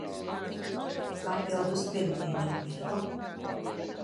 Papildus pirmdien nopirku.